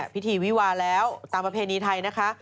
พิธีวิวาแล้วตามประเพณีไทยนะคะ